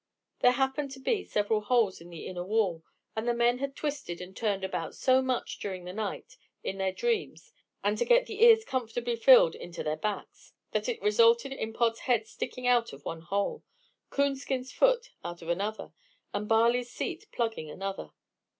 There happened to be several holes in the inner wall, and the men had twisted and turned about so much during the night in their dreams and to get the ears comfortably filled into their backs, that it resulted in Pod's head sticking out of one hole, Coonskin's foot out of another, and Barley's seat plugging another.